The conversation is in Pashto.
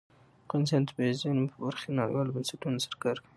افغانستان د طبیعي زیرمې په برخه کې نړیوالو بنسټونو سره کار کوي.